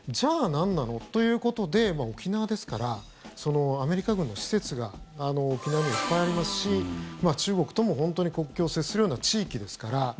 なんなの？ということで沖縄ですからアメリカ軍の施設が沖縄にはいっぱいありますし中国とも国境を接するような地域ですから。